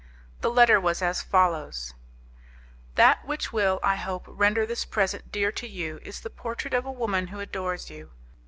The letter was as follows: "That which will, I hope, render this present dear to you is the portrait of a woman who adores you.